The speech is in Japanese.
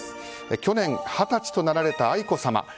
去年二十歳となられた愛子さま。